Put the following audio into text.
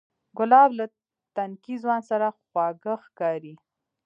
ګلاب له تنکي ځوان سره خواږه ښکاري.